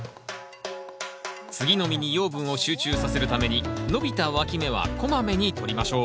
次の実に養分を集中させるために伸びたわき芽はこまめにとりましょう。